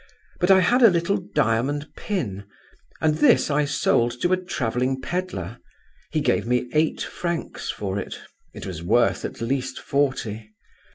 But I had a little diamond pin, and this I sold to a travelling pedlar; he gave me eight francs for it—it was worth at least forty.